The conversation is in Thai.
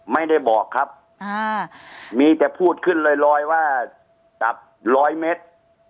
ไม่ได้บอกครับมีแต่พูดขึ้นลอยว่าจับร้อยเมตร